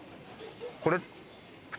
これ。